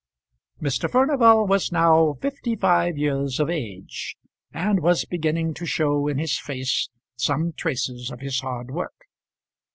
Mr. Furnival was now fifty five years of age, and was beginning to show in his face some traces of his hard work.